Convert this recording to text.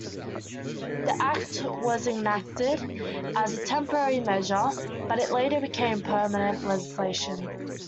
The act was enacted as a temporary measure, but it later became permanent legislation.